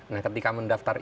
nah ketika mendaftar itu